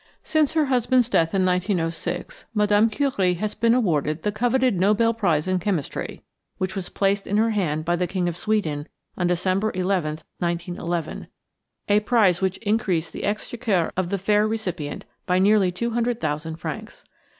Since her husband's death in 1906 Mme. Curie has been awarded the coveted Nobel prize in chemistry, which was placed in her hand by the King of Sweden on December 11, 1911 a prize which increased the exchequer of the fair recipient by nearly two hundred thousand francs.